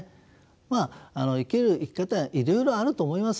まあ生きる生き方はいろいろあると思います。